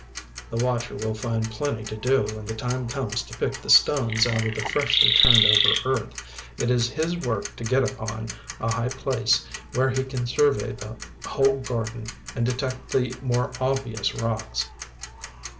The watcher will find plenty to do when the time comes to pick the stones out of the freshly turned over earth. It is his work to get upon a high place where he can survey the whole garden and detect the more obvious rocks.